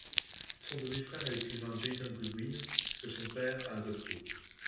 Son demi-frère est l'écrivain Jason Goodwin, que son père a adopté.